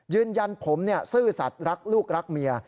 ยืนยันผมซื่อสัตว์รักลูกรักเมีย